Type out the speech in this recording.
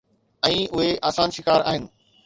۽ اهي آسان شڪار آهن